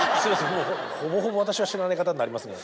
もうほぼほぼ私は知らない方になりますね。